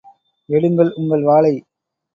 எடுங்கள் உங்கள் வாளை!